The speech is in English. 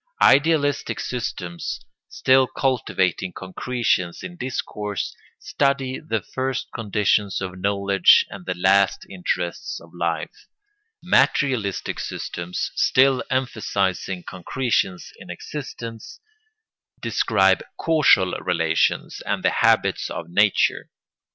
Idealistic systems, still cultivating concretions in discourse, study the first conditions of knowledge and the last interests of life; materialistic systems, still emphasising concretions in existence, describe causal relations, and the habits of nature.